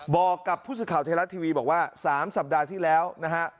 บอกกับผู้สื่อข่าวไทยรัฐทีวีบอกว่า๓สัปดาห์ที่แล้วนะฮะ